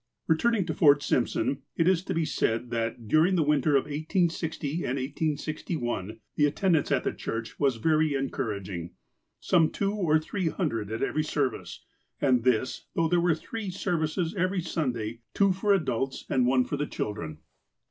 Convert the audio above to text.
Returning to Fort Simpson, it is to be said that, dur ing the winter of 1860 and 1861, the attendance at church was very encouraging, some two or three hundred at every service, and this, though there were three services every Sunday, two for adults, and one for the children.